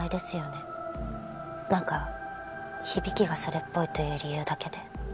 なんか響きがそれっぽいという理由だけで。